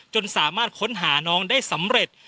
สามารถค้นหาน้องได้สำเร็จ